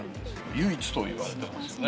唯一といわれてますよね。